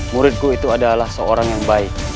muridku itu adalah seorang yang baik